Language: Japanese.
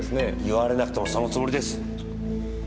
言われなくてもそのつもりです！